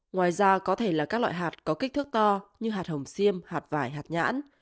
ngoài ra có thể là các loại hạt có kích thước to như hạt hồng xiêm hạt vải hạt nhãn